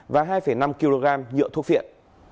và hai năm kg nhựa thuốc phiện